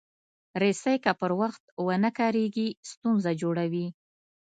رسۍ که پر وخت ونه کارېږي، ستونزه جوړوي.